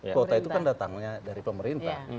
kota itu kan datangnya dari pemerintah